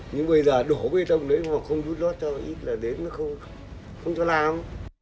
nhưng bây giờ đổ bê tông đấy hoặc không rút lót cho ít là đến nó không cho làm